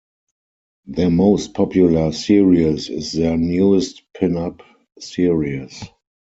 Their most popular series is their newest Pinup Series.